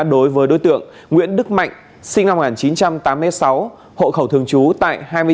đối với đối tượng nguyễn đức mạnh sinh năm một nghìn chín trăm tám mươi sáu hộ khẩu thường trú tại hai mươi bốn